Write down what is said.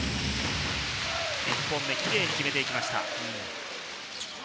１本目、キレイに決めていきました。